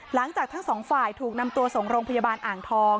หลังจากทั้งสองฝ่ายถูกนำตัวส่งโรงพยาบาลอ่างทอง